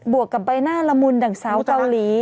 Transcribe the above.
วกกับใบหน้าละมุนดังสาวเกาหลี